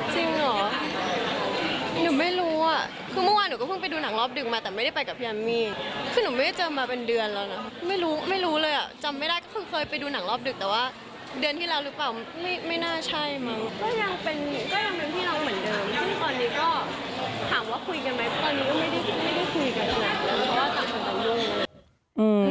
ทุกคนเห็นแอมมี่แล้วไปดูหนังด้วยกันด้วย